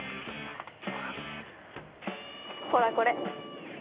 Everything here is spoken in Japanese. ほらこれ。